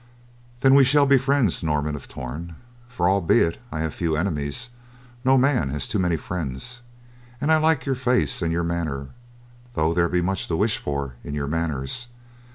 "Then we shall be friends, Norman of Torn, for albeit I have few enemies, no man has too many friends, and I like your face and your manner, though there be much to wish for in your manners.